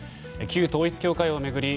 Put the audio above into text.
旧統一教会を巡り